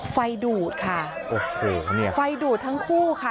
ไฟดูดค่ะไฟดูดทั้งคู่ค่ะ